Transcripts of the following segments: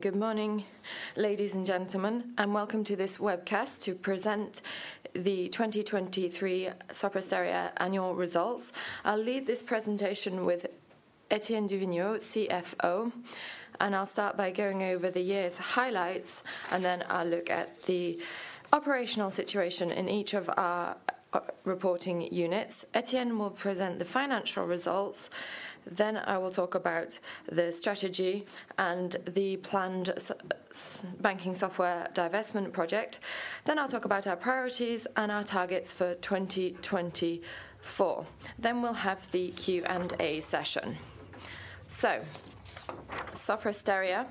Good morning, ladies and gentlemen, and welcome to this webcast to present the 2023 Sopra Steria annual results. I'll lead this presentation with Etienne du Vignaux, CFO, and I'll start by going over the year's highlights, and then I'll look at the operational situation in each of our reporting units. Etienne will present the financial results, then I will talk about the strategy and the planned banking software divestment project, then I'll talk about our priorities and our targets for 2024. Then we'll have the Q&A session. Sopra Steria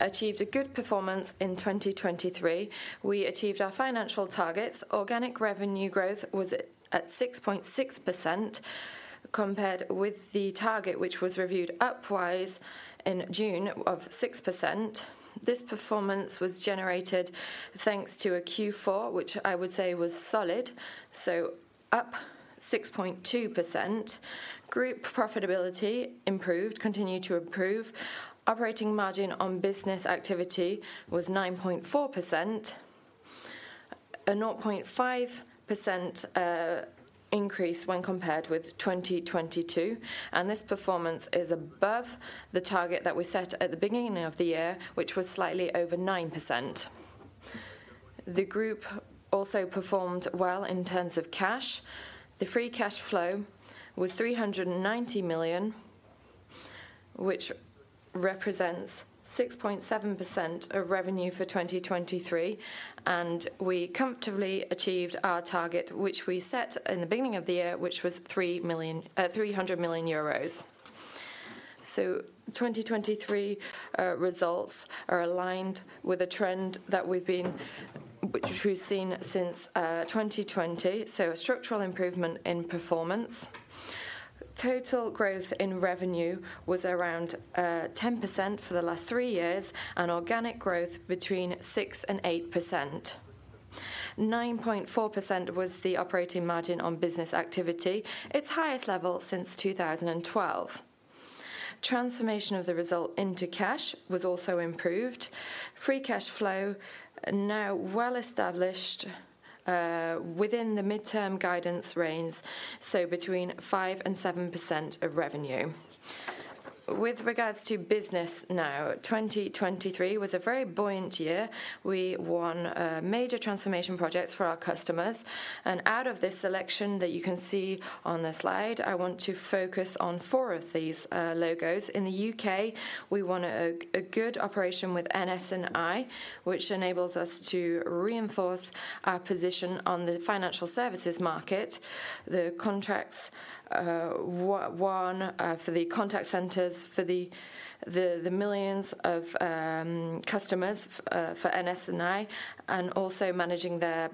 achieved a good performance in 2023. We achieved our financial targets. Organic revenue growth was at 6.6% compared with the target, which was reviewed upwards in June of 6%. This performance was generated thanks to a Q4, which I would say was solid, so up 6.2%. Group profitability improved, continued to improve. Operating Margin on Business Activity was 9.4%, a 0.5% increase when compared with 2022, and this performance is above the target that we set at the beginning of the year, which was slightly over 9%. The group also performed well in terms of cash. The Free Cash Flow was 390 million, which represents 6.7% of revenue for 2023, and we comfortably achieved our target, which we set in the beginning of the year, which was 300 million euros. 2023 results are aligned with a trend that we've seen since 2020, so a structural improvement in performance. Total growth in revenue was around 10% for the last three years, and Organic Growth between 6%-8%. 9.4% was the Operating Margin on Business Activity, its highest level since 2012. Transformation of the result into cash was also improved. Free cash flow now well-established within the midterm guidance range, so between 5%-7% of revenue. With regards to business now, 2023 was a very buoyant year. We won major transformation projects for our customers, and out of this selection that you can see on the slide, I want to focus on four of these logos. In the UK, we won a good operation with NS&I, which enables us to reinforce our position on the financial services market. The contracts won for the contact centers for the millions of customers for NS&I, and also managing their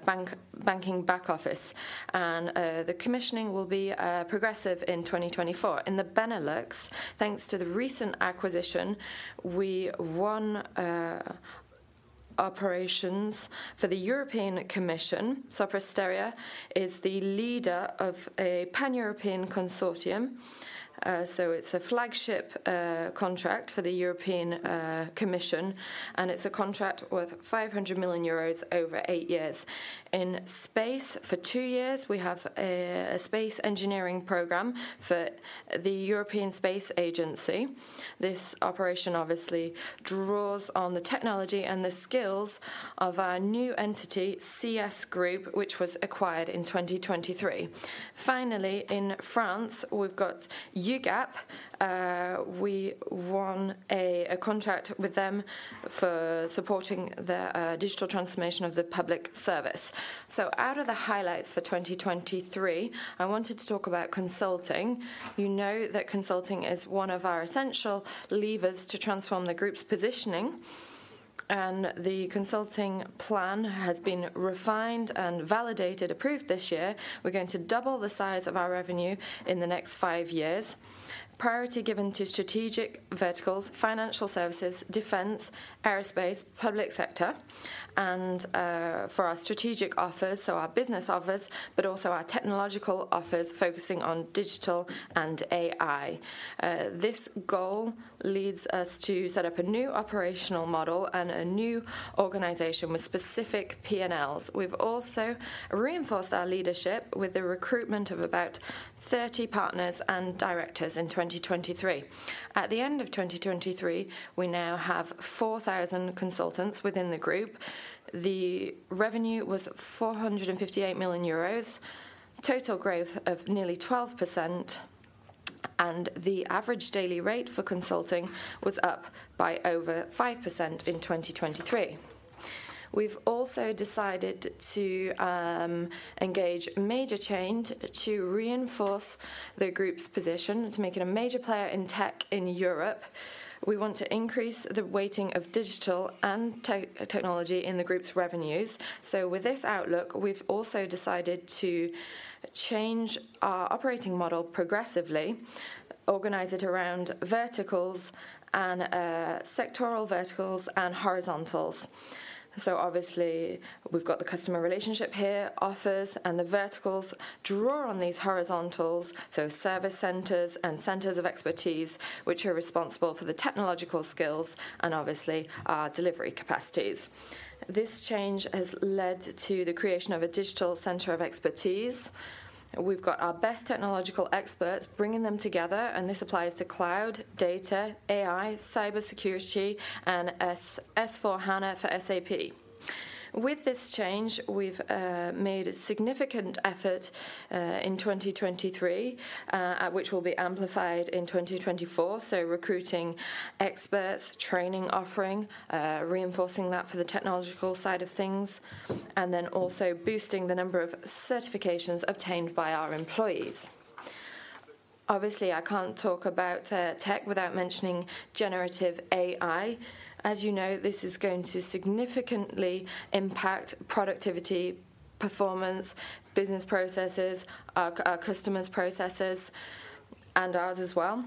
banking back office. The commissioning will be progressive in 2024. In the Benelux, thanks to the recent acquisition, we won operations for the European Commission. Sopra Steria is the leader of a pan-European consortium, so it's a flagship contract for the European Commission, and it's a contract worth 500 million euros over eight years. In space, for two years, we have a space engineering program for the European Space Agency. This operation, obviously, draws on the technology and the skills of our new entity, CS Group, which was acquired in 2023. Finally, in France, we've got UGAP. We won a contract with them for supporting the digital transformation of the public service. Out of the highlights for 2023, I wanted to talk about consulting. You know that consulting is one of our essential levers to transform the group's positioning, and the consulting plan has been refined and validated, approved this year. We're going to double the size of our revenue in the next five years. Priority given to strategic verticals: financial services, defense, aerospace, public sector, and for our strategic offers, so our business offers, but also our technological offers focusing on digital and AI. This goal leads us to set up a new operational model and a new organization with specific P&Ls. We've also reinforced our leadership with the recruitment of about 30 partners and directors in 2023. At the end of 2023, we now have 4,000 consultants within the group. The revenue was 458 million euros, total growth of nearly 12%, and the average daily rate for consulting was up by over 5% in 2023. We've also decided to engage major change to reinforce the group's position, to make it a major player in tech in Europe. We want to increase the weighting of digital and technology in the group's revenues. With this outlook, we've also decided to change our operating model progressively, organize it around verticals and sectoral verticals and horizontals. Obviously, we've got the customer relationship here, offers, and the verticals draw on these horizontals, so service centers and centers of expertise, which are responsible for the technological skills and, obviously, our delivery capacities. This change has led to the creation of a digital center of expertise. We've got our best technological experts bringing them together, and this applies to cloud, data, AI, cybersecurity, and S/4HANA for SAP. With this change, we've made a significant effort in 2023, which will be amplified in 2024, so recruiting experts, training offering, reinforcing that for the technological side of things, and then also boosting the number of certifications obtained by our employees. Obviously, I can't talk about tech without mentioning generative AI. As you know, this is going to significantly impact productivity, performance, business processes, our customers' processes, and ours as well.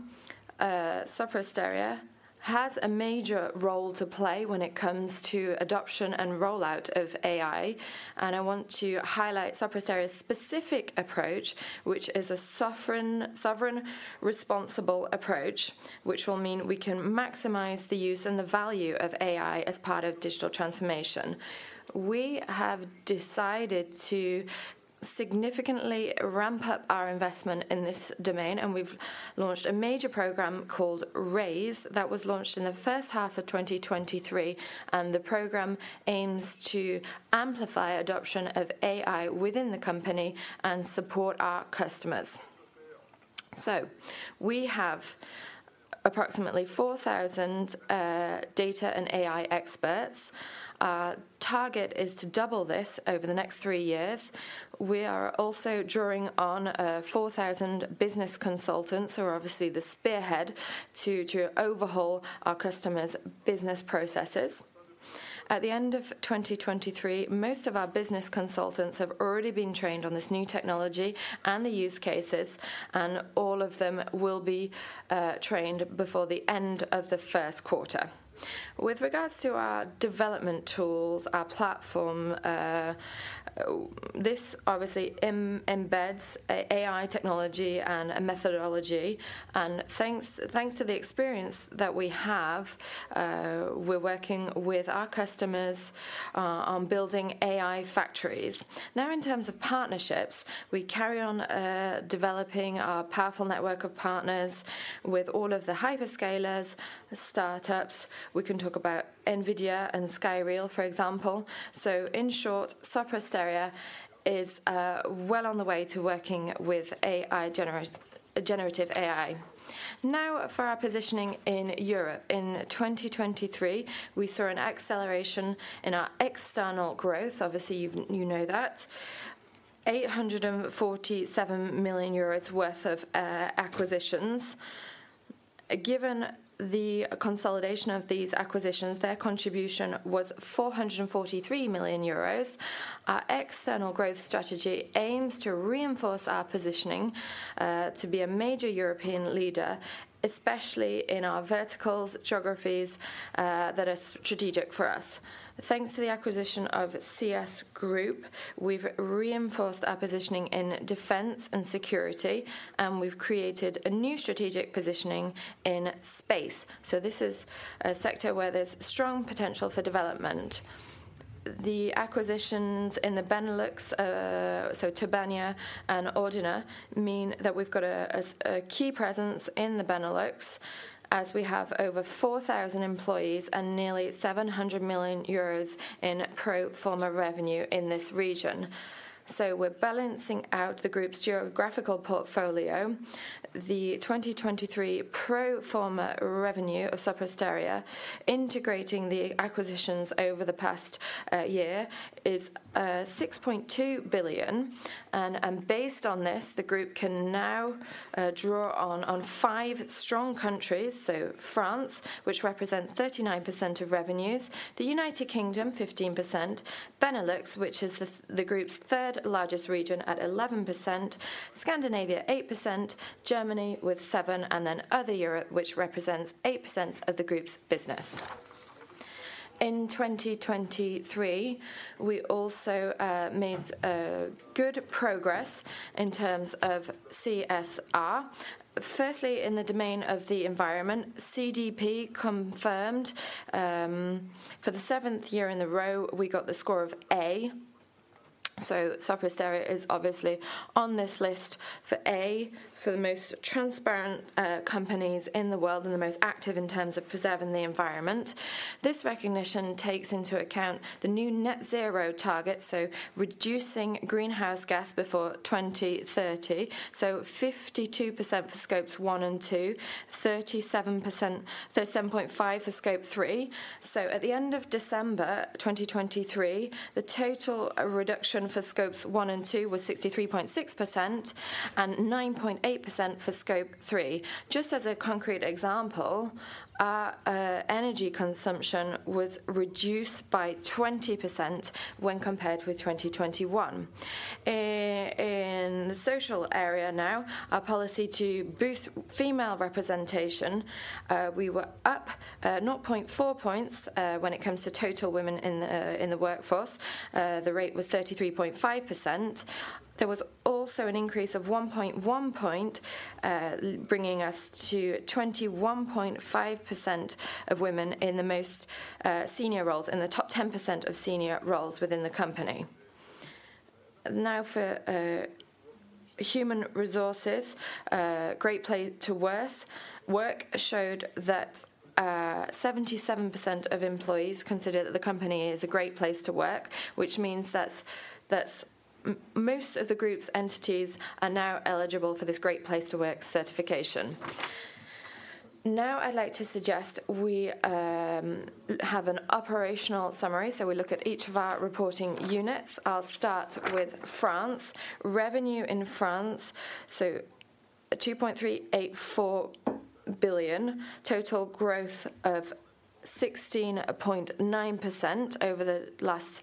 Sopra Steria has a major role to play when it comes to adoption and rollout of AI, and I want to highlight Sopra Steria's specific approach, which is a sovereign, responsible approach, which will mean we can maximize the use and the value of AI as part of digital transformation. We have decided to significantly ramp up our investment in this domain, and we've launched a major program called RAISE that was launched in the H1 2023, and the program aims to amplify adoption of AI within the company and support our customers. We have approximately 4,000 data and AI experts. Our target is to double this over the next three years. We are also drawing on 4,000 business consultants, who are obviously the spearhead, to overhaul our customers' business processes. At the end of 2023, most of our business consultants have already been trained on this new technology and the use cases, and all of them will be trained before the end of the first quarter. With regards to our development tools, our platform, this obviously embeds AI technology and methodology, and thanks to the experience that we have, we're working with our customers on building AI factories. Now, in terms of partnerships, we carry on developing our powerful network of partners with all of the hyperscalers, startups. We can talk about NVIDIA and Skyriel, for example. So, in short, Sopra Steria is well on the way to working with generative AI. Now, for our positioning in Europe, in 2023, we saw an acceleration in our external growth. Obviously, you know that: 847 million euros worth of acquisitions. Given the consolidation of these acquisitions, their contribution was 443 million euros. Our external growth strategy aims to reinforce our positioning to be a major European leader, especially in our verticals, geographies that are strategic for us. Thanks to the acquisition of CS GROUP, we've reinforced our positioning in defense and security, and we've created a new strategic positioning in space. So, this is a sector where there's strong potential for development. The acquisitions in the Benelux, so Tobania and Ordina, mean that we've got a key presence in the Benelux, as we have over 4,000 employees and nearly 700 million euros in pro forma revenue in this region. So, we're balancing out the group's geographical portfolio. The 2023 pro forma revenue of Sopra Steria, integrating the acquisitions over the past year, is 6.2 billion, and based on this, the group can now draw on five strong countries, so France, which represents 39% of revenues, the United Kingdom, 15%, Benelux, which is the group's third largest region at 11%, Scandinavia, 8%, Germany with 7%, and then other Europe, which represents 8% of the group's business. In 2023, we also made good progress in terms of CSR. Firstly, in the domain of the environment, CDP confirmed for the seventh year in a row we got the score of A. Sopra Steria is obviously on this list for A, for the most transparent companies in the world and the most active in terms of preserving the environment. This recognition takes into account the new Net-Zero target, so reducing greenhouse gas before 2030, so 52% for scopes one and two, 37.5% for scope three. At the end of December 2023, the total reduction for scopes one and two was 63.6% and 9.8% for scope three. Just as a concrete example, our energy consumption was reduced by 20% when compared with 2021. In the social area now, our policy to boost female representation, we were up 0.4 points when it comes to total women in the workforce. The rate was 33.5%. There was also an increase of 1.1 point, bringing us to 21.5% of women in the most senior roles, in the top 10% of senior roles within the company. Now, for human resources, Great Place to Work showed that 77% of employees consider that the company is a great place to work, which means that most of the group's entities are now eligible for this Great Place to Work certification. Now, I'd like to suggest we have an operational summary, so we look at each of our reporting units. I'll start with France. Revenue in France, so 2.384 billion, total growth of 16.9% over the last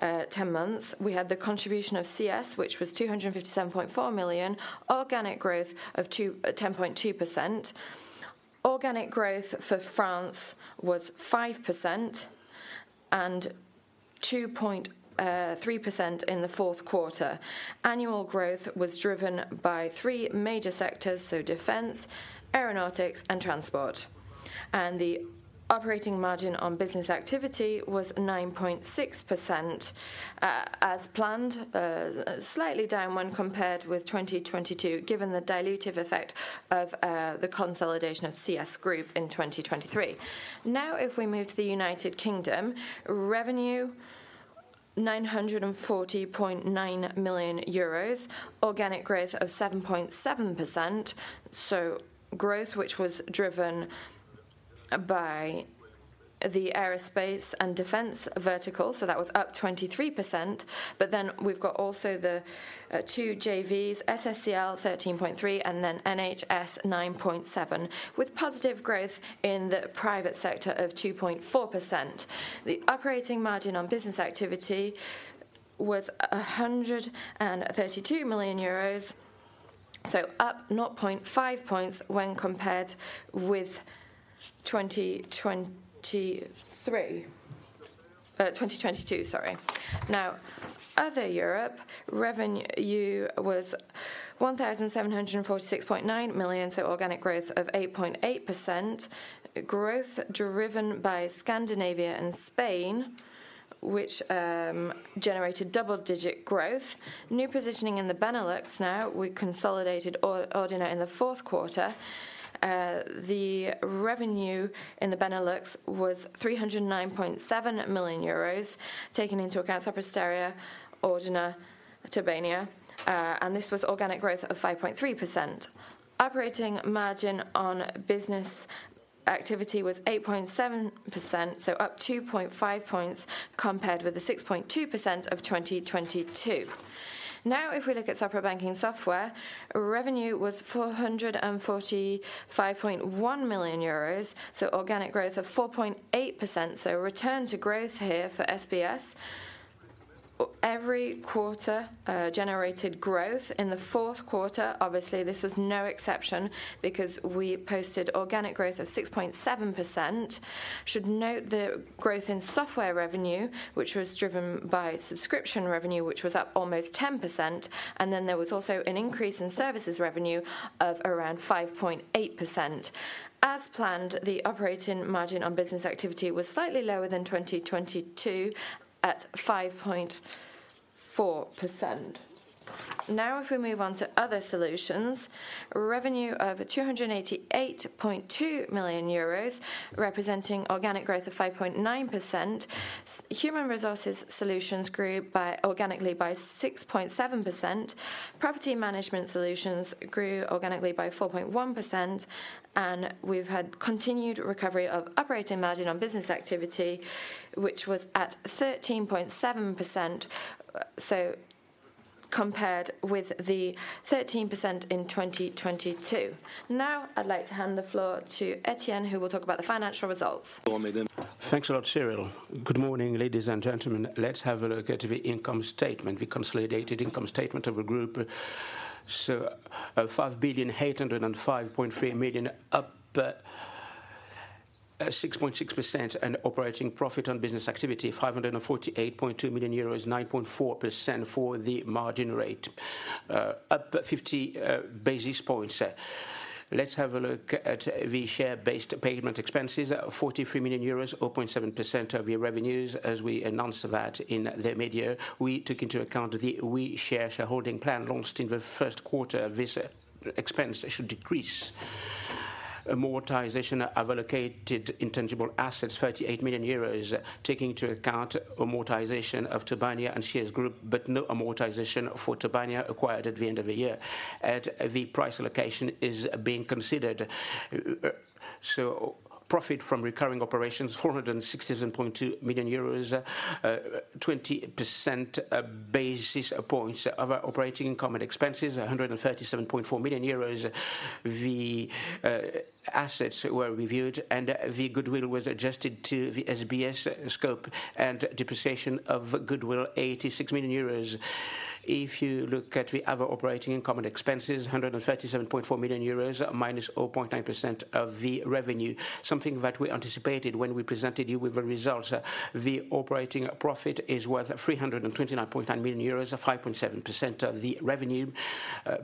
10 months. We had the contribution of CS, which was 257.4 million, organic growth of 10.2%. Organic growth for France was 5% and 2.3% in the Q4. Annual growth was driven by three major sectors, so defense, aeronautics, and transport. The Operating Margin on Business Activity was 9.6% as planned, slightly down when compared with 2022, given the dilutive effect of the consolidation of CS Group in 2023. Now, if we move to the United Kingdom, revenue 940.9 million euros, organic growth of 7.7%, so growth which was driven by the aerospace and defense vertical, so that was up 23%, but then we've got also the two JVs, SSCL 13.3% and then NHS 9.7%, with positive growth in the private sector of 2.4%. The operating margin on business activity was 132 million euros, so up 0.5 points when compared with 2022, sorry. Now, other Europe, revenue was 1,746.9 million, so organic growth of 8.8%, growth driven by Scandinavia and Spain, which generated double-digit growth. New positioning in the Benelux now, we consolidated Ordina in the fourth quarter. The revenue in the Benelux was 309.7 million euros, taking into account Sopra Steria, Ordina, Tobania, and this was organic growth of 5.3%. Operating margin on business activity was 8.7%, so up 2.5 points compared with the 6.2% of 2022. Now, if we look at Sopra Banking Software, revenue was 445.1 million euros, so organic growth of 4.8%, so return to growth here for SBS. Every quarter generated growth in the fourth quarter, obviously this was no exception because we posted organic growth of 6.7%. We should note the growth in software revenue, which was driven by subscription revenue, which was up almost 10%, and then there was also an increase in services revenue of around 5.8%. As planned, the operating margin on business activity was slightly lower than 2022 at 5.4%. Now, if we move on to other solutions, revenue of 288.2 million euros, representing organic growth of 5.9%. Human resources solutions grew organically by 6.7%. Property management solutions grew organically by 4.1%, and we've had continued recovery of operating margin on business activity, which was at 13.7%, so compared with the 13% in 2022. Now, I'd like to hand the floor to Étienne, who will talk about the financial results. Thanks a lot, Cyril. Good morning, ladies and gentlemen. Let's have a look at the income statement, the consolidated income statement of a group. 5,805.3 million, up 6.6%, and operating profit on business activity, 548.2 million euros, 9.4% for the margin rate, up 50 basis points. Let's have a look at the share-based payment expenses, 43 million euros, 0.7% of the revenues, as we announced that in the media. We took into account the WeShare shareholding plan launched in the Q1. This expense should decrease. Amortization of allocated intangible assets, 38 million euros, taking into account amortization of Tobania and CS Group, but no amortization for Tobania acquired at the end of the year. The price allocation is being considered. Profit from recurring operations, 467.2 million euros, 20 basis points. Other operating income and expenses, 137.4 million euros. The assets were reviewed, and the goodwill was adjusted to the SBS scope and depreciation of goodwill, 86 million euros. If you look at the other operating income and expenses, 137.4 million euros, minus 0.9% of the revenue, something that we anticipated when we presented you with the results. The operating profit is worth 329.9 million euros, 5.7% of the revenue.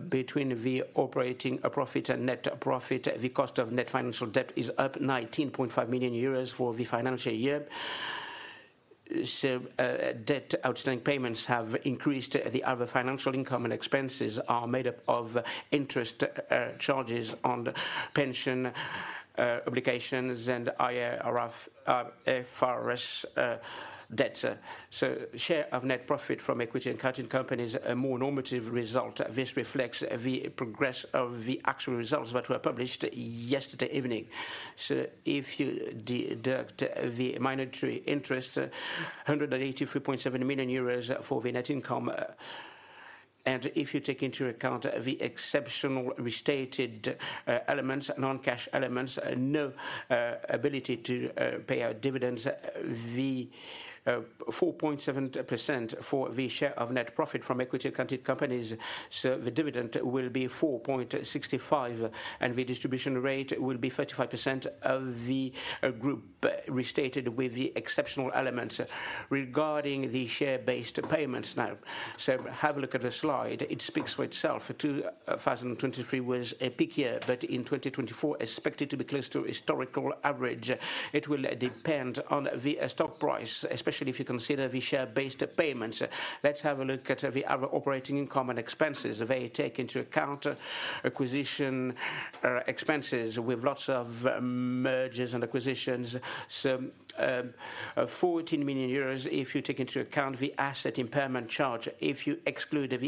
Between the operating profit and net profit, the cost of net financial debt is up 19.5 million euros for the financial year. Debt outstanding payments have increased. The other financial income and expenses are made up of interest charges on pension obligations and IFRS debts. Share of net profit from equity-accounted companies, a more normative result. This reflects the progress of the actual results that were published yesterday evening. If you deduct the monetary interest, 183.7 million euros for the net income, and if you take into account the exceptional restated elements, non-cash elements, no ability to pay out dividends, the 4.7% for the share of net profit from equity accounted companies, so the dividend will be 4.65, and the distribution rate will be 35% of the group restated with the exceptional elements. Regarding the share-based payments now, so have a look at the slide. It speaks for itself. 2023 was a peak year, but in 2024, expected to be close to historical average. It will depend on the stock price, especially if you consider the share-based payments. Let's have a look at the other operating income and expenses. They take into account acquisition expenses. We have lots of mergers and acquisitions. 14 million euros if you take into account the asset impairment charge. If you exclude the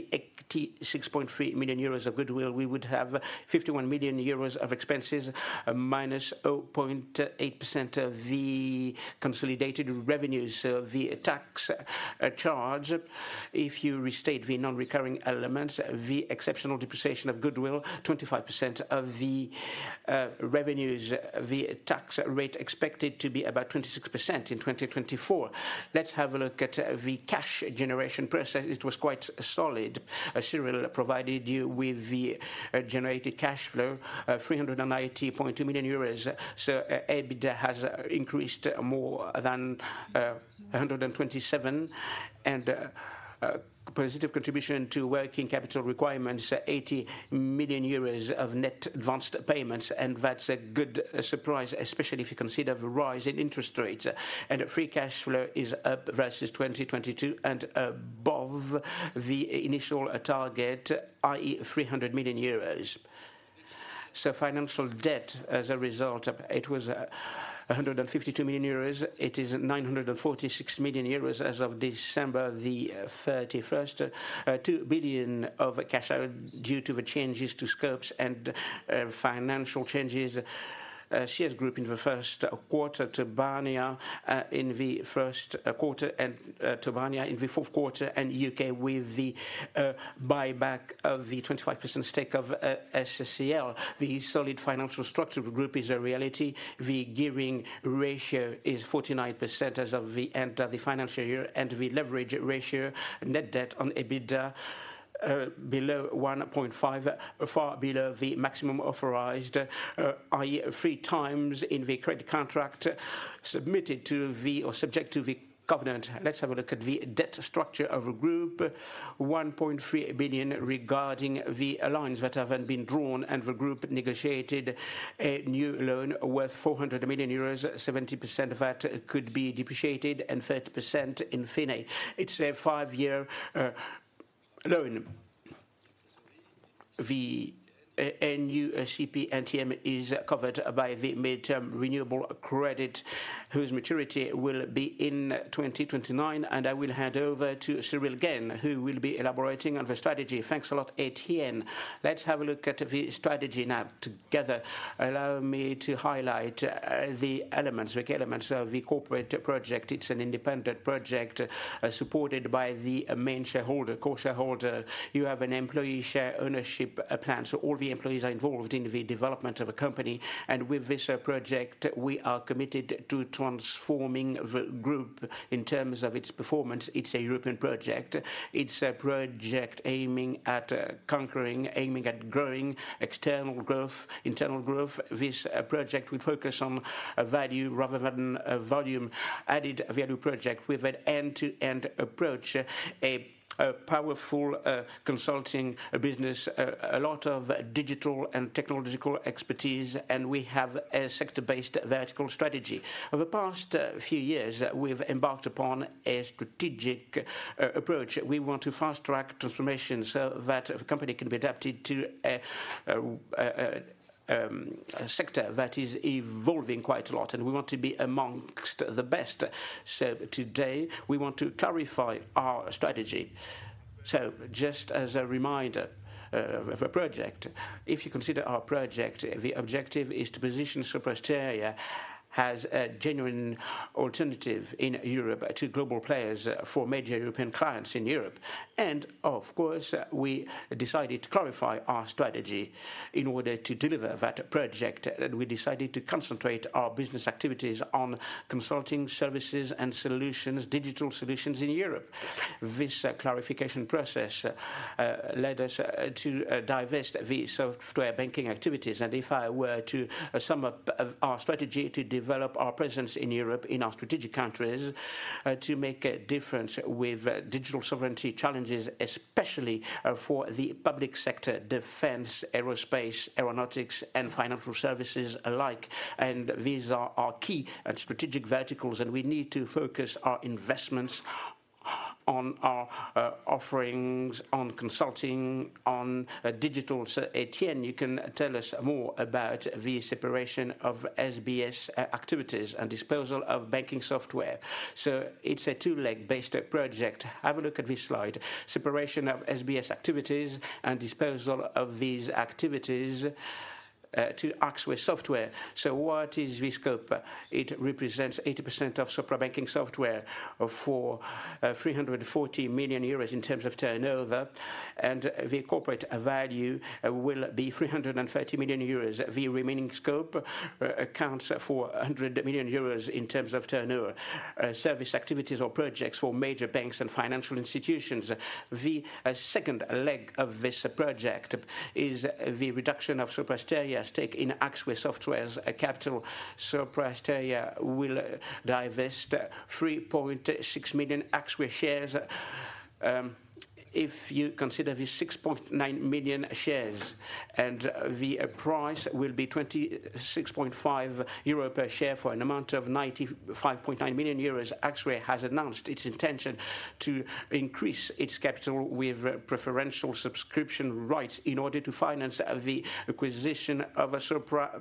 86.3 million euros of goodwill, we would have 51 million euros of expenses, minus 0.8% of the consolidated revenues, so the tax charge. If you restate the non-recurring elements, the exceptional depreciation of goodwill, 25% of the revenues, the tax rate expected to be about 26% in 2024. Let's have a look at the cash generation process. It was quite solid. Cyril provided you with the generated cash flow, 390.2 million euros. EBITDA has increased more than 127, and positive contribution to working capital requirements, 80 million euros of net advanced payments, and that's a good surprise, especially if you consider the rise in interest rates. Free cash flow is up versus 2022 and above the initial target, i.e., 300 million euros. Financial debt as a result, it was 152 million euros. It is 946 million euros as of December 31st. 2 billion of cash out due to the changes to scopes and financial changes. CS Group in the first quarter, Tobania in the first quarter, and Tobania in the fourth quarter, and UK with the buyback of the 25% stake of SSCL. The solid financial structure of the group is a reality. The gearing ratio is 49% as of the end of the financial year, and the leverage ratio, net debt on EBITDA, below 1.5, far below the maximum authorized, i.e., 3x in the credit contract subject to the covenant. Let's have a look at the debt structure of the group, 1.3 billion regarding the lines that have been drawn and the group negotiated a new loan worth 400 million euros, 70% of that could be depreciated, and 30% en fine. It's a five-year loan. The NEU CP, Etienne, is covered by the mid-term renewable credit, whose maturity will be in 2029, and I will hand over to Cyril again, who will be elaborating on the strategy. Thanks a lot, Étienne. Let's have a look at the strategy now together. Allow me to highlight the elements, the key elements of the corporate project. It's an independent project supported by the main shareholder, core shareholder. You have an employee share ownership plan, so all the employees are involved in the development of a company, and with this project, we are committed to transforming the group in terms of its performance. It's a European project. It's a project aiming at conquering, aiming at growing, external growth, internal growth. This project will focus on value rather than volume. Added value project with an end-to-end approach, a powerful consulting business, a lot of digital and technological expertise, and we have a sector-based vertical strategy. Over the past few years, we've embarked upon a strategic approach. We want to fast-track transformation so that the company can be adapted to a sector that is evolving quite a lot, and we want to be amongst the best. Today, we want to clarify our strategy. Just as a reminder of a project, if you consider our project, the objective is to position Sopra Steria as a genuine alternative in Europe to global players for major European clients in Europe. Of course, we decided to clarify our strategy in order to deliver that project, and we decided to concentrate our business activities on consulting services and solutions, digital solutions in Europe. This clarification process led us to divest the software banking activities, and if I were to sum up our strategy, to develop our presence in Europe, in our strategic countries, to make a difference with digital sovereignty challenges, especially for the public sector, defense, aerospace, aeronautics, and financial services alike, and these are our key and strategic verticals, and we need to focus our investments on our offerings, on consulting, on digital. So Etienne, you can tell us more about the separation of SBS activities and disposal of banking software. So it's a two-leg-based project. Have a look at this slide. Separation of SBS activities and disposal of these activities to Axway Software. So what is the scope? It represents 80% of Sopra Banking Software for 340 million euros in terms of turnover, and the corporate value will be 330 million euros. The remaining scope accounts for 100 million euros in terms of turnover. Service activities or projects for major banks and financial institutions. The second leg of this project is the reduction of Sopra Steria's stake in Axway Software's capital. Sopra Steria will divest 3.6 million Axway shares, if you consider the 6.9 million shares, and the price will be 26.5 euro per share for an amount of 95.9 million euros. Axway has announced its intention to increase its capital with preferential subscription rights in order to finance the acquisition of Sopra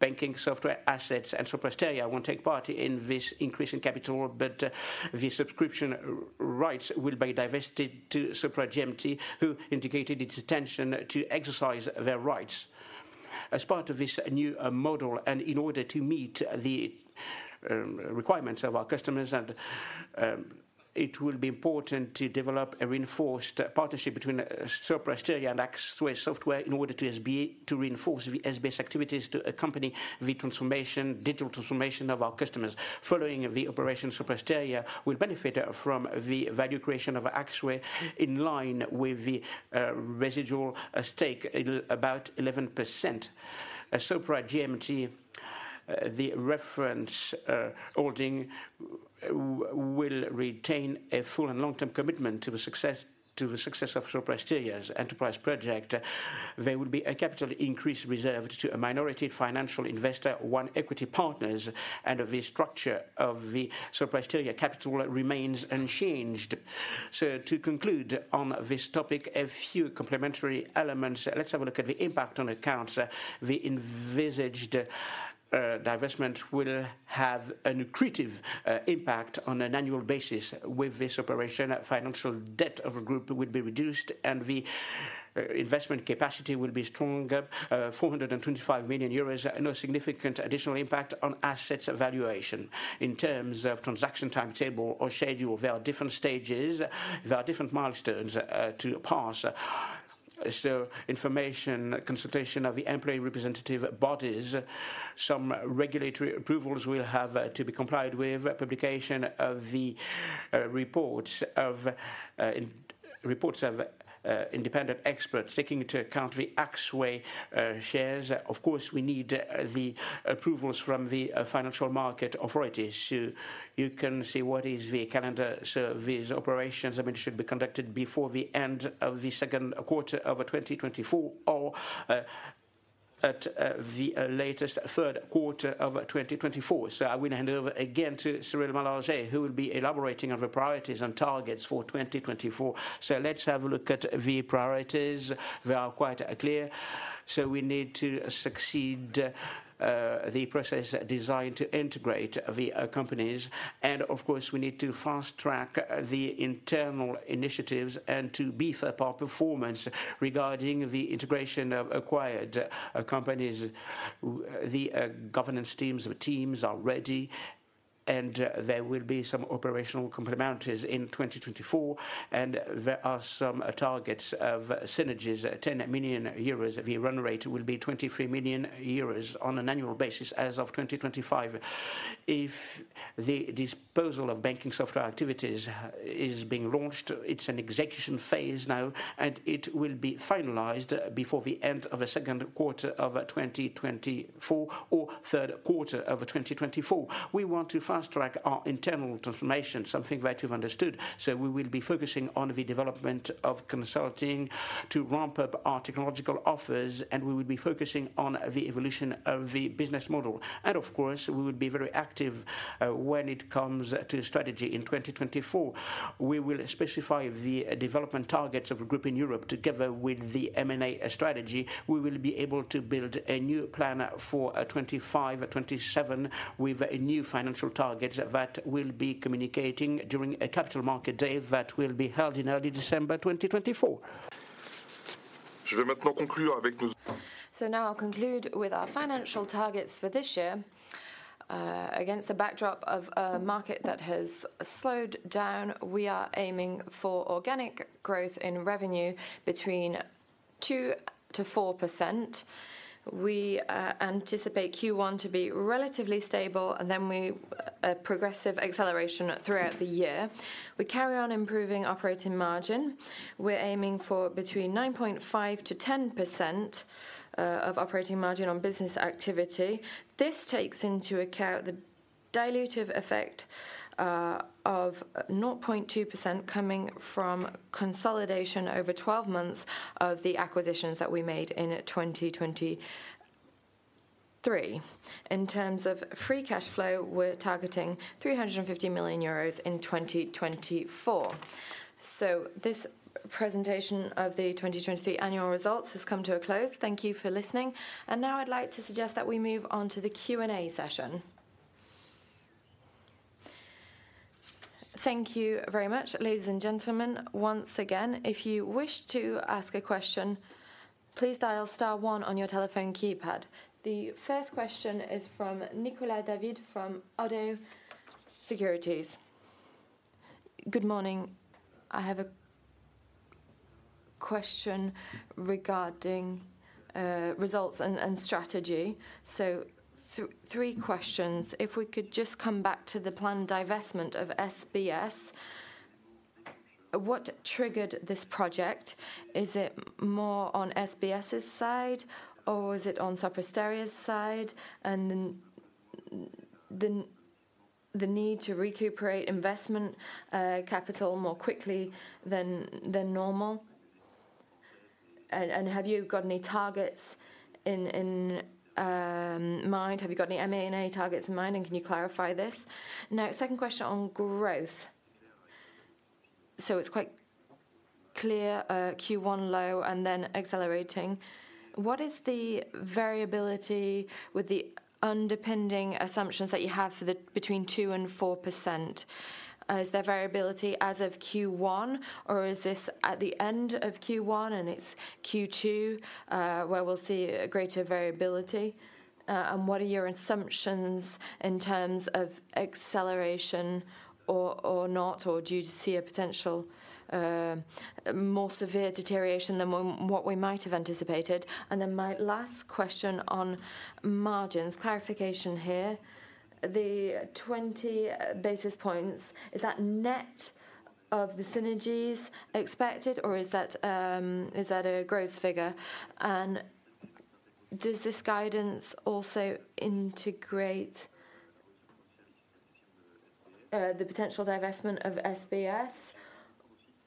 Banking Software assets, and Sopra Steria won't take part in this increase in capital, but the subscription rights will be divested to Sopra GMT, who indicated its intention to exercise their rights. As part of this new model and in order to meet the requirements of our customers, it will be important to develop a reinforced partnership between Sopra Steria and Axway Software in order to reinforce the SBS activities to accompany the transformation, digital transformation of our customers. Following the operation, Sopra Steria will benefit from the value creation of Axway in line with the residual stake of about 11%. Sopra GMT, the reference holding, will retain a full and long-term commitment to the success of Sopra Steria's enterprise project. There will be a capital increase reserved to a minority financial investor, One Equity Partners, and the structure of the Sopra Steria capital remains unchanged. To conclude on this topic, a few complementary elements. Let's have a look at the impact on accounts. The envisaged divestment will have a positive impact on an annual basis. With this operation, financial debt of the group would be reduced, and the investment capacity will be stronger, 425 million euros, no significant additional impact on assets valuation. In terms of transaction timetable or schedule, there are different stages, there are different milestones to pass. Information, consultation of the employee representative bodies, some regulatory approvals will have to be complied with, publication of the reports of independent experts taking into account the Axway shares. Of course, we need the approvals from the financial market authorities. You can see what is the calendar. These operations, I mean, should be conducted before the end of the Q2 of 2024 or at the latest Q3 of 2024. So I will hand over again to Cyril Malargé, who will be elaborating on the priorities and targets for 2024. So let's have a look at the priorities. They are quite clear. We need to succeed the process designed to integrate the companies, and of course, we need to fast-track the internal initiatives and to beef up our performance regarding the integration of acquired companies. The governance teams are ready, and there will be some operational complementarities in 2024, and there are some targets of synergies. 10 million euros of the run rate will be 23 million euros on an annual basis as of 2025. If the disposal of banking software activities is being launched, it's an execution phase now, and it will be finalized before the of Q2 of 2024 or Q3 of 2024. We want to fast-track our internal transformation, something that you've understood. we will be focusing on the development of consulting to ramp up our technological offers, and we will be focusing on the evolution of the business model. Of course, we will be very active when it comes to strategy in 2024. We will specify the development targets of the group in Europe. Together with the M&A strategy, we will be able to build a new plan for 2025-2027 with new financial targets that we'll be communicating during a capital market day that will be held in early December 2024. Now I'll conclude with our financial targets for this year. Against the backdrop of a market that has slowed down, we are aiming for organic growth in revenue between 2%-4%. We anticipate Q1 to be relatively stable, and then we progressive acceleration throughout the year. We carry on improving operating margin. We're aiming for between 9.5%-10% operating margin on business activity. This takes into account the dilutive effect of 0.2% coming from consolidation over 12 months of the acquisitions that we made in 2023. In terms of free cash flow, we're targeting 350 million euros in 2024. This presentation of the 2023 annual results has come to a close. Thank you for listening. Now I'd like to suggest that we move on to the Q&A session. Thank you very much, ladies and gentlemen. Once again, if you wish to ask a question, please dial star one on your telephone keypad. The first question is from Nicolas David from Oddo Securities. Good morning. I have a question regarding results and strategy. So three questions. If we could just come back to the planned divestment of SBS, what triggered this project? Is it more on SBS's side, or is it on Sopra Steria's side and the need to recuperate investment capital more quickly than normal? And have you got any targets in mind? Have you got any M&A targets in mind, and can you clarify this? Now, second question on growth. So it's quite clear, Q1 low and then accelerating. What is the variability with the underpinning assumptions that you have between 2%-4%? Is there variability as of Q1, or is this at the end of Q1 and it's Q2 where we'll see greater variability? And what are your assumptions in terms of acceleration or not, or do you see a potential more severe deterioration than what we might have anticipated? And then my last question on margins, clarification here. The 20 basis points, is that net of the synergies expected, or is that a growth figure? Does this guidance also integrate the potential divestment of SBS?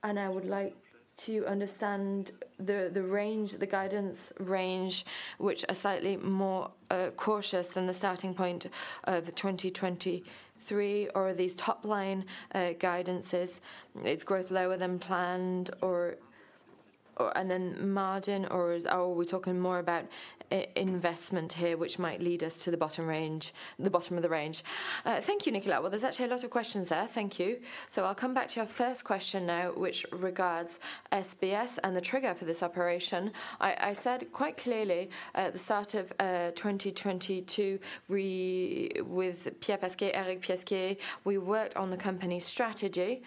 I would like to understand the range, the guidance range, which are slightly more cautious than the starting point of 2023, or are these top-line guidances? Is growth lower than planned, and then margin, or are we talking more about investment here, which might lead us to the bottom range, the bottom of the range? Thank you, Nicolas. Well, there's actually a lot of questions there. Thank you. I'll come back to your first question now, which regards SBS and the trigger for this operation. I said quite clearly at the start of 2022 with Pierre Pasquier, Eric Pesquet, we worked on the company's strategy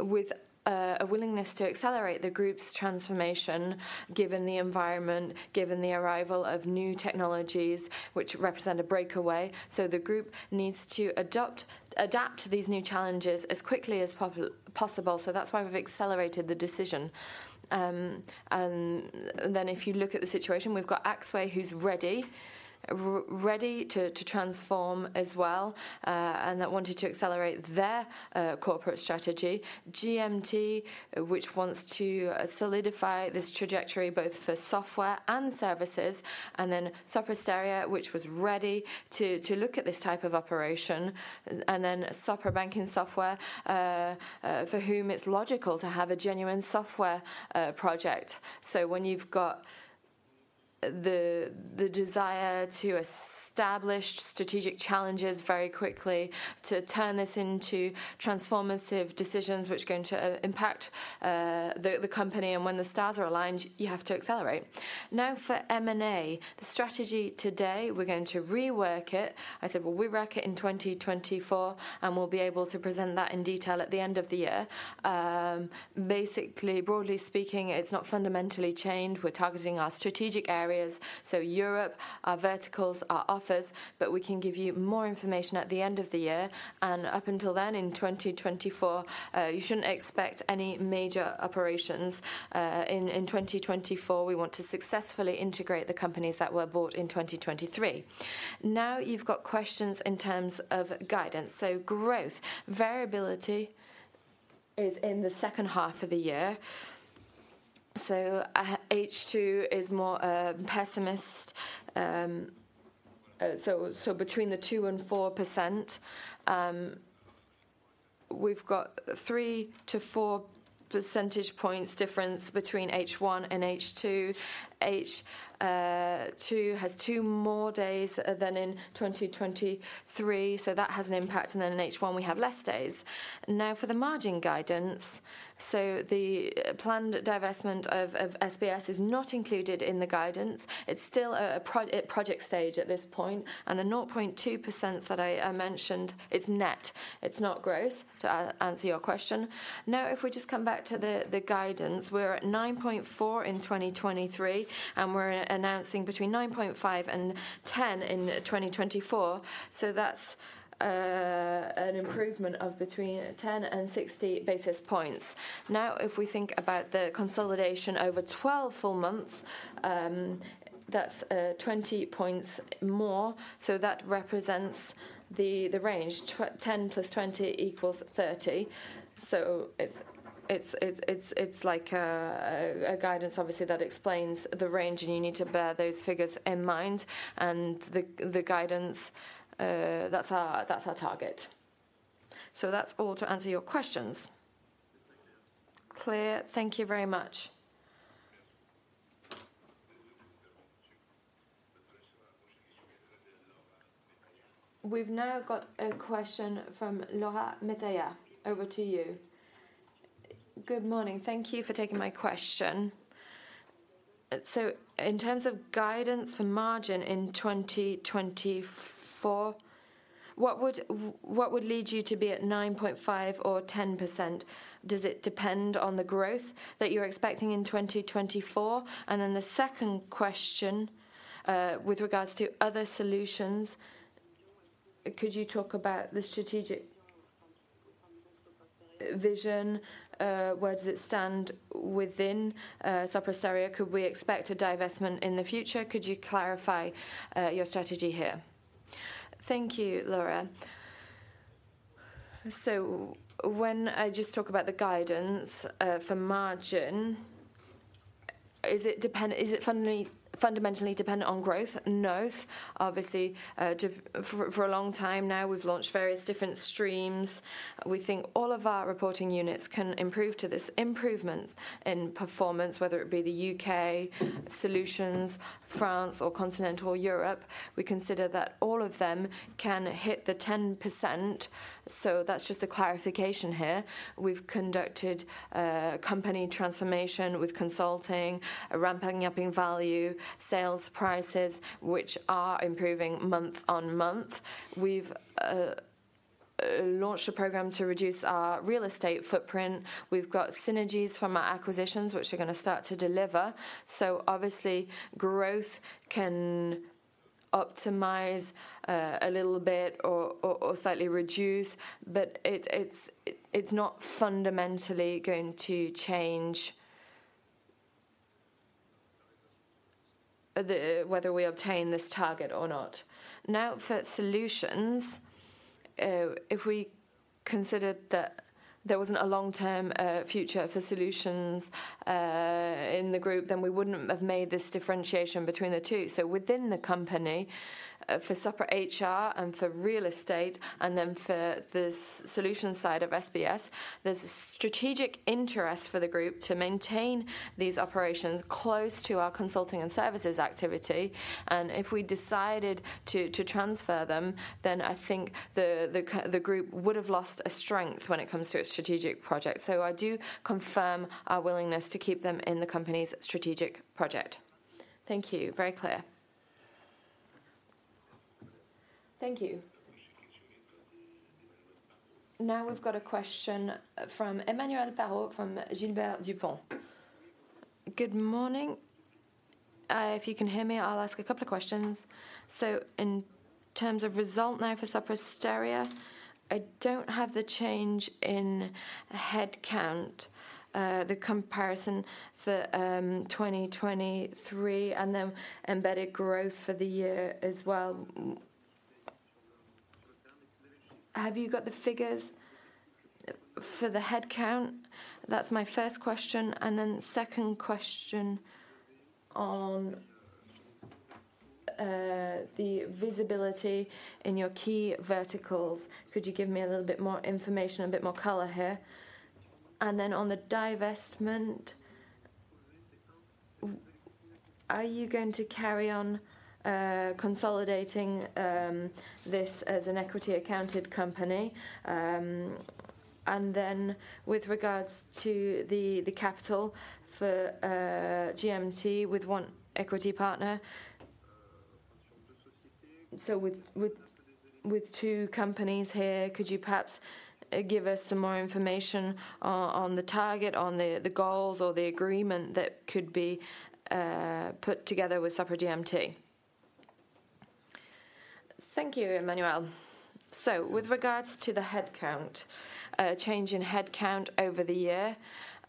with a willingness to accelerate the group's transformation given the environment, given the arrival of new technologies, which represent a breakaway. The group needs to adapt to these new challenges as quickly as possible. That's why we've accelerated the decision. Then if you look at the situation, we've got Axway, who's ready, ready to transform as well, and that wanted to accelerate their corporate strategy. Sopra GMT, which wants to solidify this trajectory both for software and services. Then Sopra Steria, which was ready to look at this type of operation. Then Sopra Banking Software, for whom it's logical to have a genuine software project. When you've got the desire to establish strategic challenges very quickly, to turn this into transformative decisions which are going to impact the company, and when the stars are aligned, you have to accelerate. Now for M&A, the strategy today, we're going to rework it. I said, well, we work it in 2024, and we'll be able to present that in detail at the end of the year. Basically, broadly speaking, it's not fundamentally changed. We're targeting our strategic areas. So Europe, our verticals, our offers, but we can give you more information at the end of the year. And up until then in 2024, you shouldn't expect any major operations. In 2024, we want to successfully integrate the companies that were bought in 2023. Now you've got questions in terms of guidance. So growth, variability is in the second half of the year. So H2 is more pessimist. So between 2%-4%, we've got 3-4 percentage points difference between H1 and H2. H2 has 2 more days than in 2023, so that has an impact, and then in H1 we have less days. Now for the margin guidance, so the planned divestment of SBS is not included in the guidance. It's still at project stage at this point. The 0.2% that I mentioned, it's net. It's not growth, to answer your question. Now if we just come back to the guidance, we're at 9.4% in 2023, and we're announcing between 9.5% and 10% in 2024. That's an improvement of between 10-60 basis points. Now if we think about the consolidation over 12 full months, that's 20 points more. That represents the range. 10 + 20 = 30. It's like a guidance, obviously, that explains the range, and you need to bear those figures in mind. And the guidance, that's our target. So that's all to answer your questions. Clear. Thank you very much. We've now got a question from Laura Metayer. Over to you. Good morning. Thank you for taking my question. In terms of guidance for margin in 2024, what would lead you to be at 9.5% or 10%? Does it depend on the growth that you're expecting in 2024?Then the second question, with regards to other solutions, could you talk about the strategic vision? Where does it stand within Sopra Steria? Could we expect a divestment in the future? Could you clarify your strategy here? Thank you, Laura. When I just talk about the guidance for margin, is it fundamentally dependent on growth? No, obviously. For a long time now, we've launched various different streams. We think all of our reporting units can improve to this improvement in performance, whether it be the UK solutions, France, or continental Europe. We consider that all of them can hit the 10%. That's just a clarification here. We've conducted company transformation with consulting, ramping up in value sales prices, which are improving month-on-month. We've launched a program to reduce our real estate footprint. We've got synergies from our acquisitions, which are going to start to deliver. Obviously, growth can optimize a little bit or slightly reduce, but it's not fundamentally going to change whether we obtain this target or not. Now for solutions, if we considered that there wasn't a long-term future for solutions in the group, then we wouldn't have made this differentiation between the two. Within the company, for Sopra HR and for real estate, and then for the solution side of SBS, there's a strategic interest for the group to maintain these operations close to our consulting and services activity. If we decided to transfer them, then I think the group would have lost a strength when it comes to its strategic projects. I do confirm our willingness to keep them in the company's strategic project. Thank you. Very clear. Thank you. Now we've got a question from Emmanuel Parot from Gilbert Dupont. Good morning. If you can hear me, I'll ask a couple of questions. In terms of result now for Sopra Steria, I don't have the change in headcount, the comparison for 2023, and then embedded growth for the year as well. Have you got the figures for the headcount? That's my first question. Then second question on the visibility in your key verticals. Could you give me a little bit more information, a bit more color here? Then on the divestment, are you going to carry on consolidating this as an equity accounted company? Then with regards to the capital for GMT with one equity partner, so with two companies here, could you perhaps give us some more information on the target, on the goals, or the agreement that could be put together with Sopra GMT? Thank you, Emmanuel. with regards to the headcount, change in headcount over the year,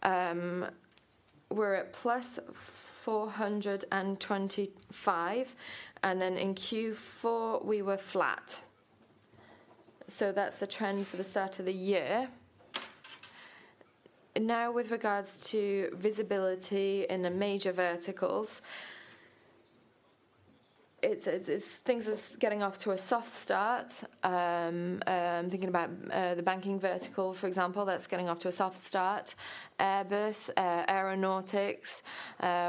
we're at +425, and then in Q4 we were flat. That's the trend for the start of the year. Now with regards to visibility in the major verticals, things are getting off to a soft start. I'm thinking about the banking vertical, for example, that's getting off to a soft start. Airbus, Aeronautics,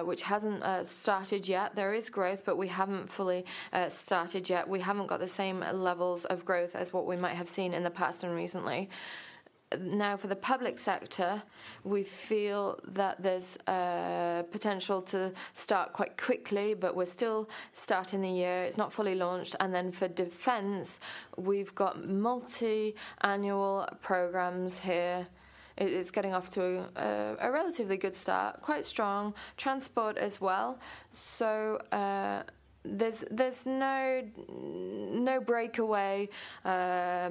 which hasn't started yet. There is growth, but we haven't fully started yet. We haven't got the same levels of growth as what we might have seen in the past and recently. Now for the public sector, we feel that there's potential to start quite quickly, but we're still starting the year. It's not fully launched. Then for defense, we've got multi-annual programs here. It's getting off to a relatively good start, quite strong. Transport as well. There's no breakaway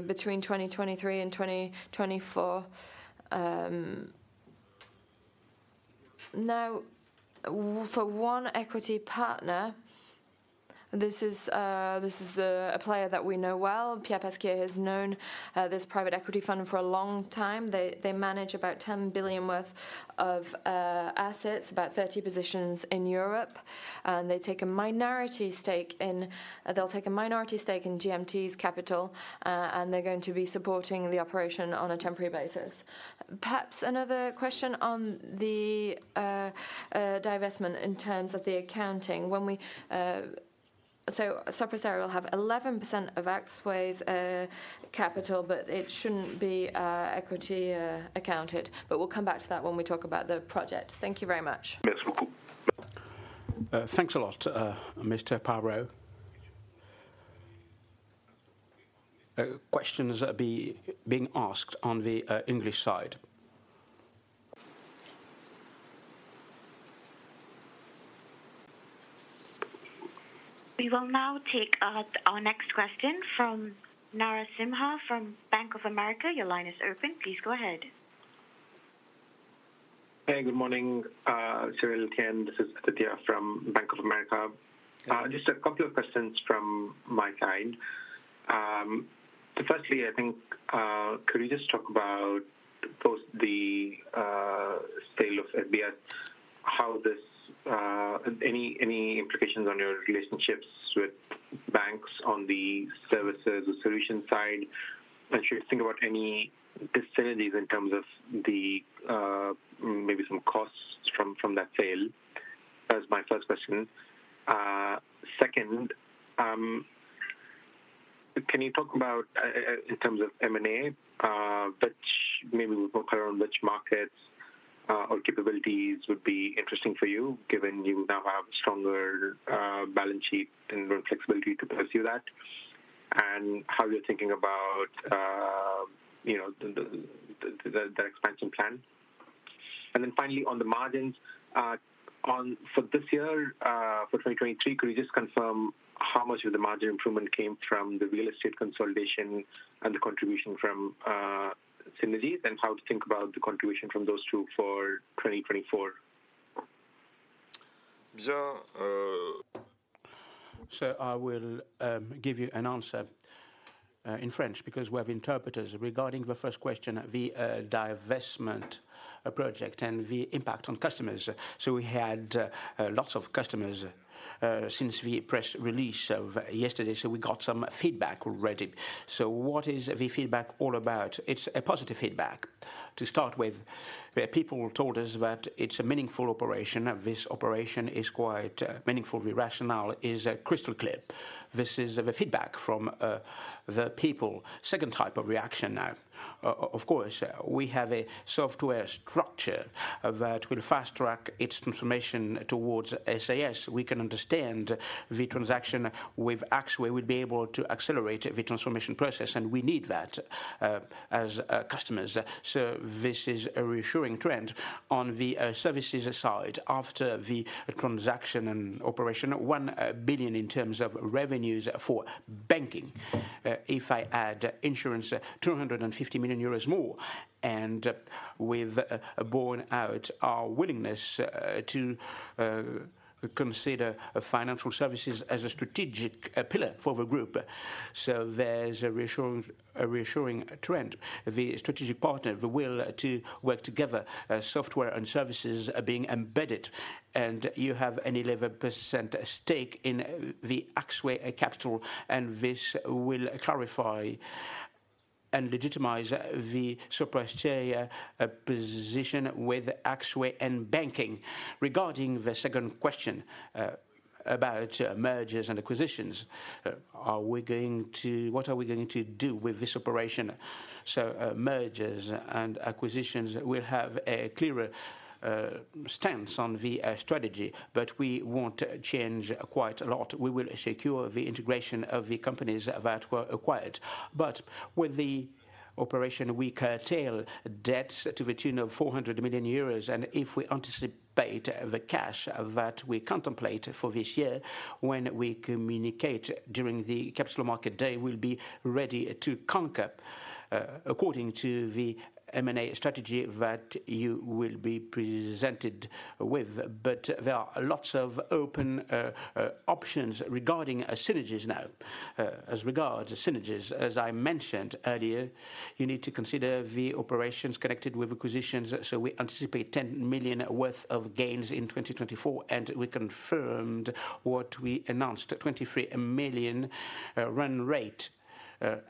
between 2023 and 2024. Now for One Equity Partners, this is a player that we know well. Pierre Pasquier has known this private equity fund for a long time. They manage about 10 billion worth of assets, about 30 positions in Europe. They take a minority stake in they'll take a minority stake in Sopra GMT's capital, and they're going to be supporting the operation on a temporary basis. Perhaps another question on the divestment in terms of the accounting. Sopra Steria will have 11% of Axway's capital, but it shouldn't be equity accounted. But we'll come back to that when we talk about the project. Thank you very much. Thanks a lot, Mr. Perrault. Questions being asked on the English side. We will now take our next question from Aditya Suresh from Bank of America. Your line is open. Please go ahead. Hey, good morning, Cyril, Étienne. This is Atitya from Bank of America. Just a couple of questions from my side. Firstly, I think could you just talk about both the sale of SBS, how this any implications on your relationships with banks on the services or solution side, and should you think about any dissonancies in terms of maybe some costs from that sale? That's my first question. Second, can you talk about in terms of M&A, maybe we'll talk around which markets or capabilities would be interesting for you given you now have a stronger balance sheet and flexibility to pursue that, and how you're thinking about that expansion plan? Then finally, on the margins, for this year, for 2023, could you just confirm how much of the margin improvement came from the real estate consolidation and the contribution from synergies, and how to think about the contribution from those two for 2024? I will give you an answer in French because we have interpreters regarding the first question, the divestment project and the impact on customers. We had lots of customers since the press release of yesterday, so we got some feedback already. What is the feedback all about? It's a positive feedback to start with. People told us that it's a meaningful operation. This operation is quite meaningful. The rationale is crystal clear. This is the feedback from the people. Second type of reaction now. Of course, we have a software structure that will fast-track its transformation towards SaaS. We can understand the transaction with Axway. We'd be able to accelerate the transformation process, and we need that as customers. So this is a reassuring trend on the services side. After the transaction and operation, 1 billion in terms of revenues for banking. If I add insurance, 250 million euros more. We've borne out our willingness to consider financial services as a strategic pillar for the group. There's a reassuring trend. The strategic partner, the will to work together, software and services being embedded. You have an 11% stake in the Axway capital, and this will clarify and legitimize the Sopra Steria position with Axway and banking. Regarding the second question about mergers and acquisitions, what are we going to do with this operation? Mergers and acquisitions, we'll have a clearer stance on the strategy, but we won't change quite a lot. We will secure the integration of the companies that were acquired. With the operation, we curtail debts to the tune of 400 million euros. If we anticipate the cash that we contemplate for this year, when we communicate during the capital market day, we'll be ready to conquer, according to the M&A strategy that you will be presented with. There are lots of open options regarding synergies now. As regards to synergies, as I mentioned earlier, you need to consider the operations connected with acquisitions. We anticipate 10 million worth of gains in 2024, and we confirmed what we announced, 23 million run rate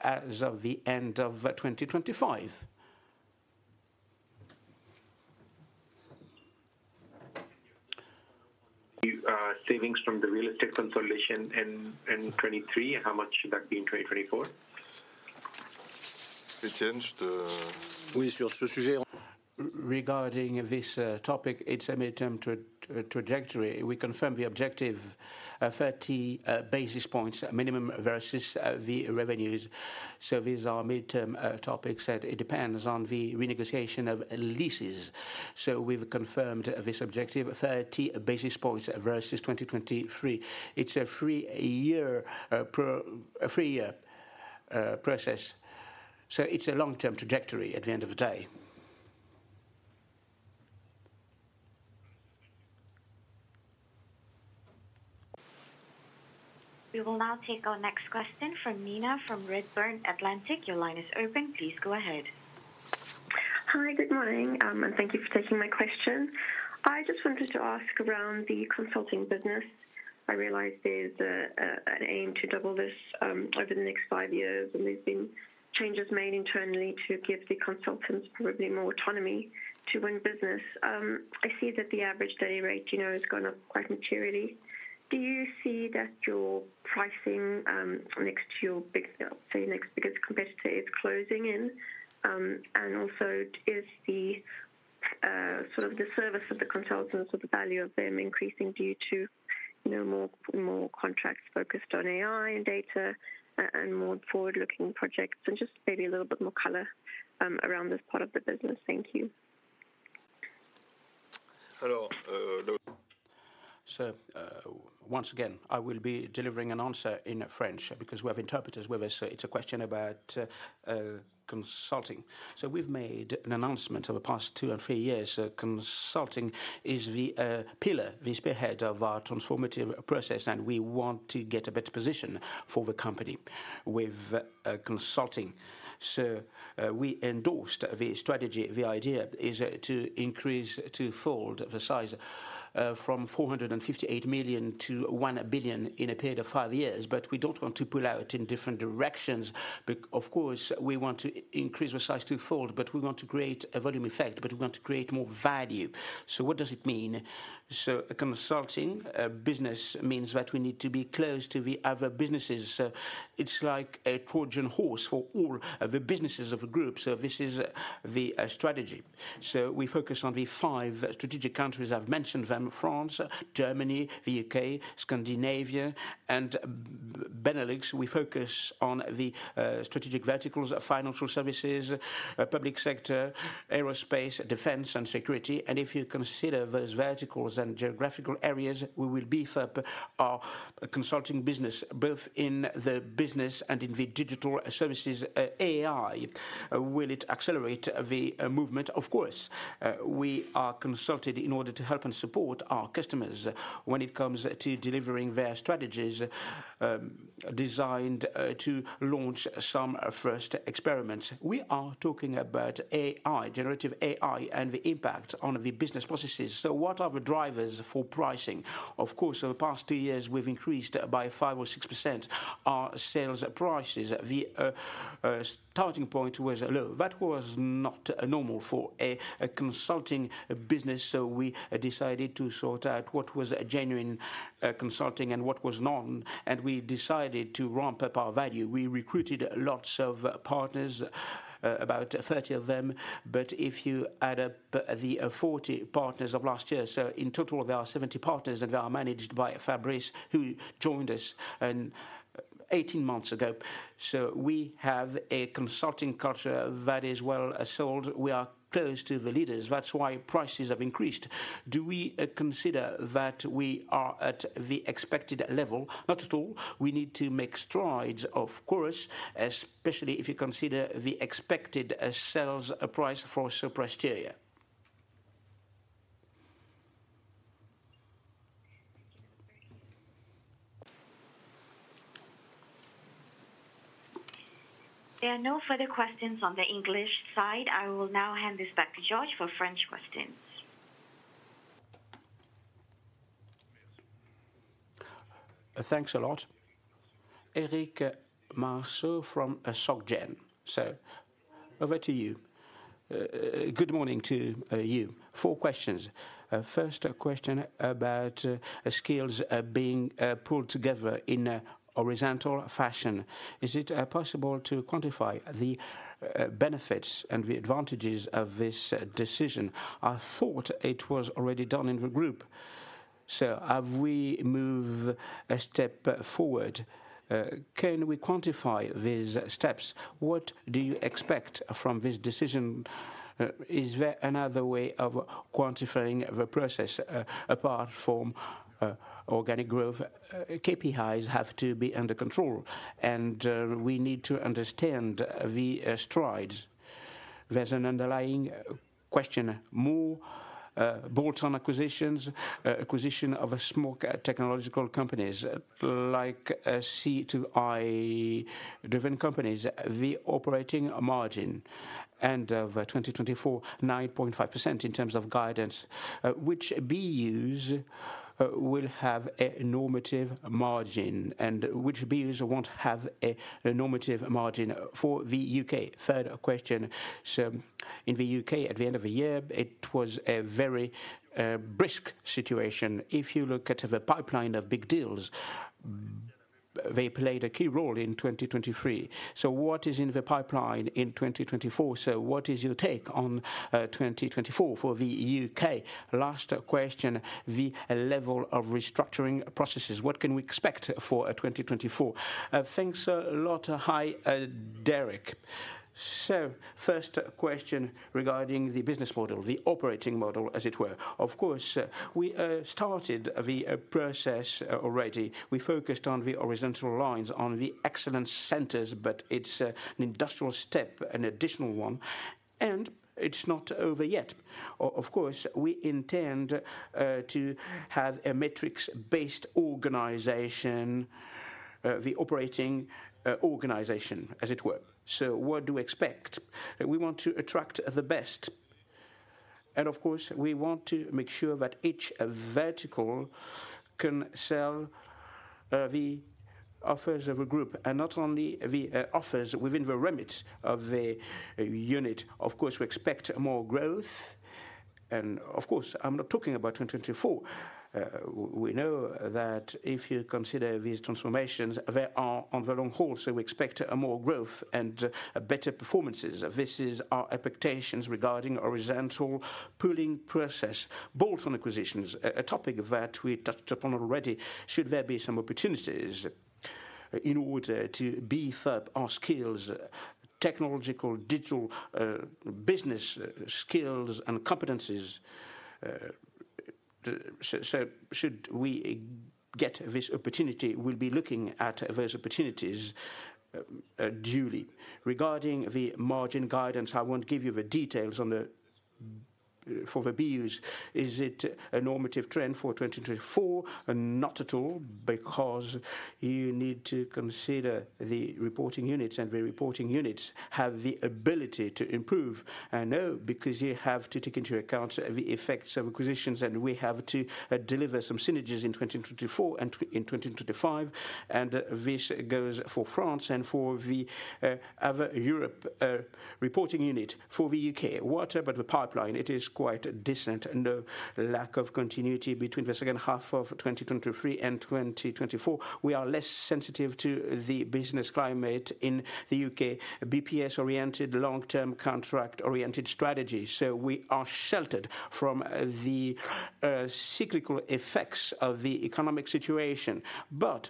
as of the end of 2025. The savings from the real estate consolidation in 2023, how much would that be in 2024?. Regarding this topic, it's a midterm trajectory. We confirm the objective, 30 basis points minimum versus the revenues. These are midterm topics, and it depends on the renegotiation of leases. We've confirmed this objective, 30 basis points versus 2023. It's a three-year process. It's a long-term trajectory at the end of the day. We will now take our next question from Nina from Redburn Atlantic. Your line is open. Please go ahead. Hi, good morning, and thank you for taking my question. I just wanted to ask around the consulting business. I realize there's an aim to double this over the next five years, and there's been changes made internally to give the consultants probably more autonomy to run business. I see that the average daily rate has gone up quite materially. Do you see that your pricing next to your, say, next biggest competitor is closing. Also, is the sort of the service of the consultants, or the value of them, increasing due to more contracts focused on AI and data and more forward-looking projects? Just maybe a little bit more color around this part of the business. Thank you. Hello. Once again, I will be delivering an answer in French because we have interpreters with us. It's a question about consulting. We've made an announcement over the past two and three years. Consulting is the pillar, the spearhead of our transformative process, and we want to get a better position for the company with consulting. We endorsed the strategy. The idea is to increase twofold the size from 458 million to 1 billion in a period of five years. But we don't want to pull out in different directions. Of course, we want to increase the size twofold, but we want to create a volume effect, but we want to create more value. What does it mean? Consulting business means that we need to be close to the other businesses. It's like a Trojan horse for all the businesses of the group. This is the strategy. We focus on the five strategic countries. I've mentioned them: France, Germany, the UK, Scandinavia, and Benelux. We focus on the strategic verticals: financial services, public sector, aerospace, defense, and security. If you consider those verticals and geographical areas, we will beef up our consulting business both in the business and in the digital services. AI, will it accelerate the movement? Of course. We are consulted in order to help and support our customers when it comes to delivering their strategies designed to launch some first experiments. We are talking about AI, generative AI, and the impact on the business processes. What are the drivers for pricing? Of course, over the past two years, we've increased by 5%-6% our sales prices. The starting point was low. That was not normal for a consulting business. We decided to sort out what was genuine consulting and what was non, and we decided to ramp up our value. We recruited lots of partners, about 30 of them. But if you add up the 40 partners of last year, so in total, there are 70 partners, and they are managed by Fabrice, who joined us 18 months ago. We have a consulting culture that is well-sold. We are close to the leaders. That's why prices have increased. Do we consider that we are at the expected level? Not at all. We need to make strides, of course, especially if you consider the expected sales price for Sopra Steria. There are no further questions on the English side. I will now hand this back to George for French questions. Thanks a lot. Eric Marceau from SocGen. Over to you. Good morning to you. Four questions. First question about skills being pulled together in a horizontal fashion. Is it possible to quantify the benefits and the advantages of this decision? I thought it was already done in the group. Have we moved a step forward? Can we quantify these steps? What do you expect from this decision? Is there another way of quantifying the process apart from organic growth? KPIs have to be under control, and we need to understand the strides. There's an underlying question: more bolt-on acquisitions, acquisition of small technological companies like C2I-driven companies, the operating margin end of 2024, 9.5% in terms of guidance, which BUs will have a normative margin and which BUs won't have a normative margin for the UK. Third question. In the UK, at the end of the year, it was a very brisk situation. If you look at the pipeline of big deals, they played a key role in 2023. What is in the pipeline in 2024? What is your take on 2024 for the UK? Last question: the level of restructuring processes. What can we expect for 2024? Thanks a lot, Hey Derek. First question regarding the business model, the operating model, as it were. Of course, we started the process already. We focused on the horizontal lines, on the excellence centers, but it's an industrial step, an additional one, and it's not over yet. Of course, we intend to have a metrics-based organization, the operating organization, as it were. What do we expect? We want to attract the best. Of course, we want to make sure that each vertical can sell the offers of the group and not only the offers within the limits of the unit. Of course, we expect more growth. Of course, I'm not talking about 2024. We know that if you consider these transformations, they are on the long haul. We expect more growth and better performances. This is our expectations regarding horizontal pooling process, bolt-on acquisitions, a topic that we touched upon already. Should there be some opportunities in order to beef up our skills, technological, digital business skills and competencies? Should we get this opportunity, we'll be looking at those opportunities duly. Regarding the margin guidance, I won't give you the details for the BUs. Is it a normative trend for 2024? Not at all because you need to consider the reporting units, and the reporting units have the ability to improve. No, because you have to take into account the effects of acquisitions, and we have to deliver some synergies in 2024 and in 2025. This goes for France and for the other Europe reporting unit. For the UK, what about the pipeline? It is quite decent. No lack of continuity between the second half of 2023 and 2024. We are less sensitive to the business climate in the UK, BPS-oriented, long-term contract-oriented strategy. We are sheltered from the cyclical effects of the economic situation. But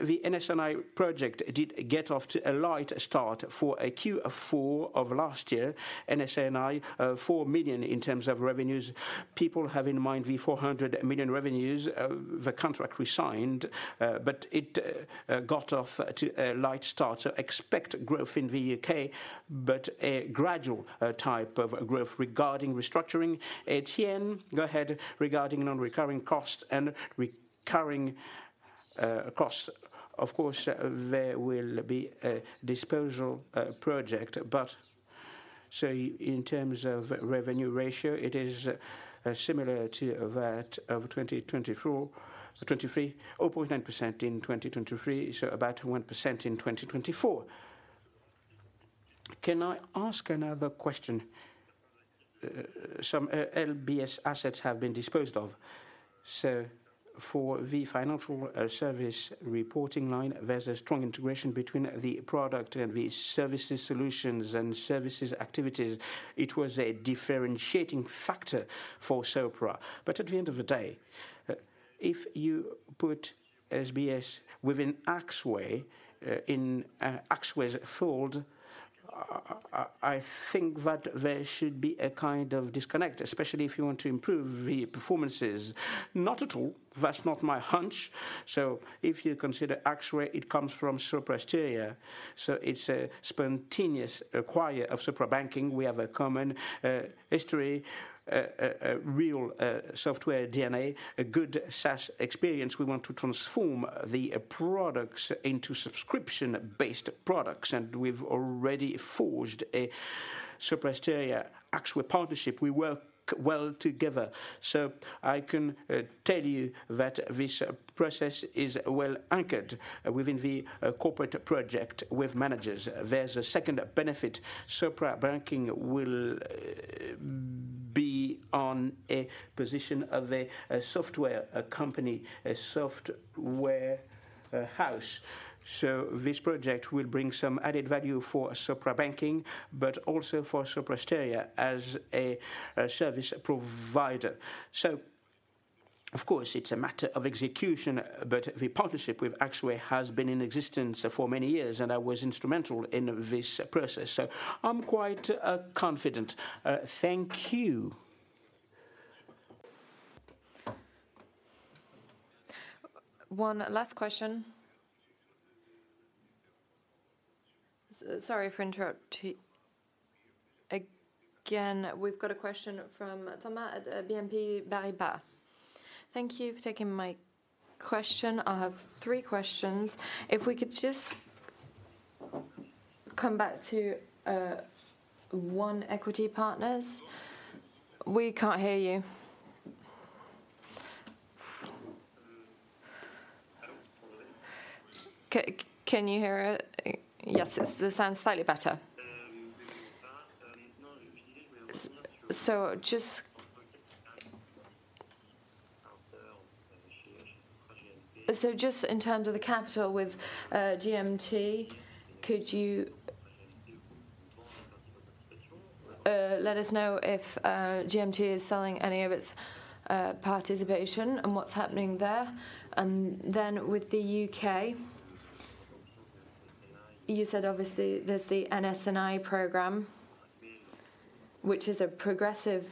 the NS&I project did get off to a light start for Q4 of last year, NS&I, 4 million in terms of revenues. People have in mind the 400 million revenues, the contract we signed, but it got off to a light start. So expect growth in the UK, but a gradual type of growth regarding restructuring. Étienne, go ahead. Regarding non-recurring costs and recurring costs, of course, there will be a disposal project. But so in terms of revenue ratio, it is similar to that of 2023, 0.9% in 2023, so about 1% in 2024. Can I ask another question? Some LBS assets have been disposed of. For the financial service reporting line, there's a strong integration between the product and the services solutions and services activities. It was a differentiating factor for Sopra. But at the end of the day, if you put SBS within Axway in Axway's fold, I think that there should be a kind of disconnect, especially if you want to improve the performances. Not at all. That's not my hunch. If you consider Axway, it comes from Sopra Steria. It's a spontaneous acquirer of Sopra Banking. We have a common history, real software DNA, a good SaaS experience. We want to transform the products into subscription-based products, and we've already forged a Sopra Steria-Axway partnership. We work well together. I can tell you that this process is well anchored within the corporate project with managers. There's a second benefit: Sopra Banking will be on a position of a software company, a software house. This project will bring some added value for Sopra Banking, but also for Sopra Steria as a service provider. Of course, it's a matter of execution, but the partnership with Axway has been in existence for many years, and I was instrumental in this process. I'm quite confident. Thank you. One last question. Sorry for interrupting. Again, we've got a question from Thomas at BNP Paribas. Thank you for taking my question. I have three questions. If we could just come back to One Equity Partners. We can't hear you. Hello. Can you hear it? Yes, it sounds slightly better. Just in terms of the capital with GMT, could you let us know if GMT is selling any of its participation and what's happening there? Then with the UK, you said obviously there's the NS&I program, which is a progressive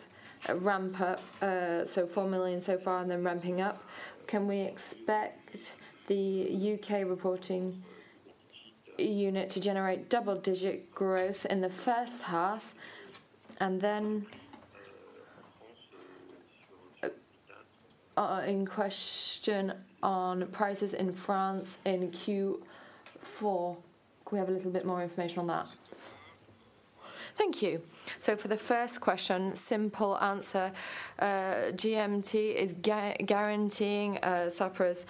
ramp-up, so 4 million so far and then ramping up. Can we expect the UK reporting unit to generate double-digit growth in the first half and then in question on prices in France in Q4? Could we have a little bit more information on that? Thank you. For the first question, simple answer. Sopra GMT is guaranteeing Sopra's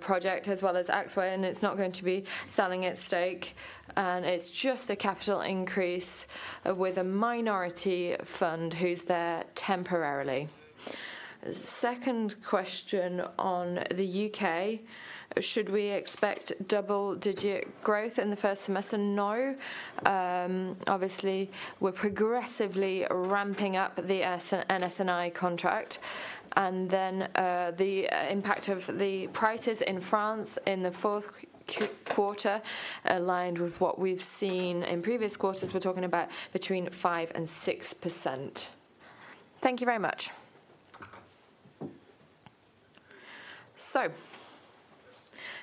project as well as Axway, and it's not going to be selling its stake. It's just a capital increase with a minority fund who's there temporarily. Second question on the UK. Should we expect double-digit growth in the first semester? No. Obviously, we're progressively ramping up the NS&I contract. Then the impact of the prices in France in the fourth quarter, aligned with what we've seen in previous quarters, we're talking about between 5% and 6%. Thank you very much.